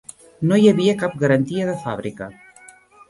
No hi havia cap garantia de fàbrica.